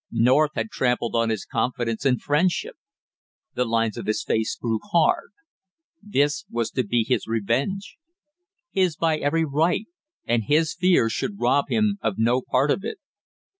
North had trampled on his confidence and friendship! The lines of his face grew hard. This was to be his revenge, his by every right, and his fears should rob him of no part of it!